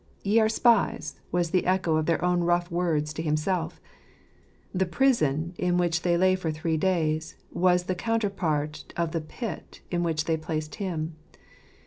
"Ye are spies," was the echo of their own rough words to himself. The prison, in which they lay for three days, was the counterpart of the pit in which they placed him.